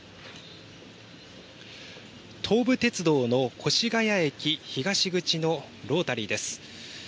東武鉄道の越谷駅東口のロータリーです。